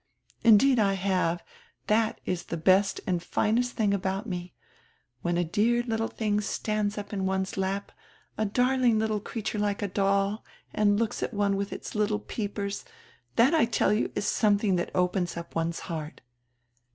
"Indeed I have. That is die best and finest tiling about me. * When a dear little tiling stands up in one's lap, a darling little creature like a doll, and looks at one with its little peepers, that, I tell you, is something that opens up one's heart.